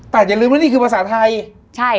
แต่อย่าลืมว่านี่คือภาษาไทยใช่